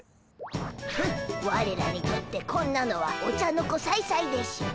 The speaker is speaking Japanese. フッわれらにとってこんなのはお茶の子さいさいでしゅ。